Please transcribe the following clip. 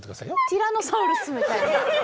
ティラノサウルスみたいな。